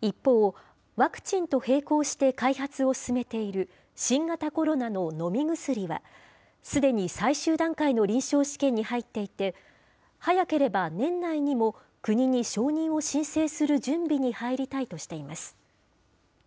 一方、ワクチンと並行して開発を進めている、新型コロナの飲み薬は、すでに最終段階の臨床試験に入っていて、早ければ年内にも、国に承認を申請する準備に入りたいとしています。